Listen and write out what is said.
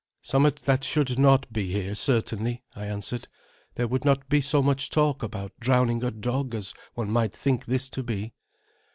"Somewhat that should not be here, certainly," I answered. "There would not be so much talk about drowning a dog, as one might think this to be."